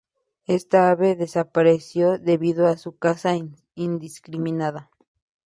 Esta ave desapareció debido a su caza indiscriminada.